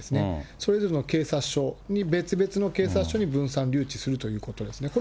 それぞれの警察署に、別々の警察署に分散留置するということですね。